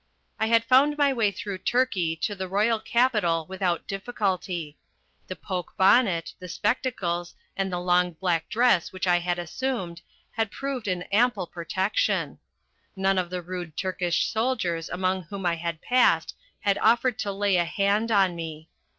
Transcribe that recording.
I had found my way through Turkey to the royal capital without difficulty. The poke bonnet, the spectacles and the long black dress which I had assumed had proved an ample protection. None of the rude Turkish soldiers among whom I had passed had offered to lay a hand on me.